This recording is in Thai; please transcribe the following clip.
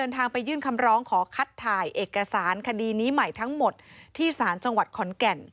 ทางไปยื่นคำร้องขอคัดถ่ายเอกสารคดีนี้ใหม่ทั้งหมดที่สารจังหวัดขอนแก่น